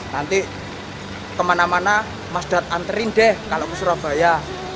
nanti kemana mana mas dart anterin deh kalau ke surabaya